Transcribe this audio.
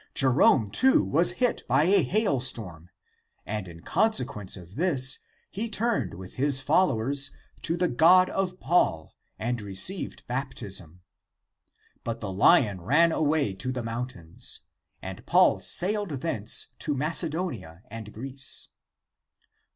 Jerome too was hit by a hailstone, and in consequence of this he turned with his followers to the God of Paul, and received baptism. But the lion ran away to the mountains, and Paul sailed thence to Macedonia and Greece."